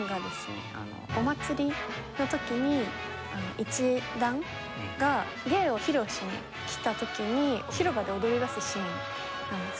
お祭りの時に一団が芸を披露しに来た時に広場で踊りだすシーンなんですけども。